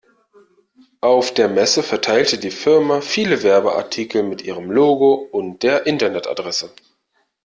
Auf der Messe verteilte die Firma viele Werbeartikel mit ihrem Logo und der Internetadresse.